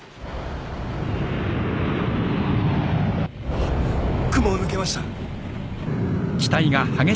あっ雲を抜けました。